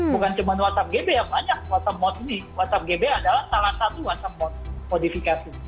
bukan cuma whatsapp gb yang banyak whatsapp mod ini adalah salah satu whatsapp mod modifikasi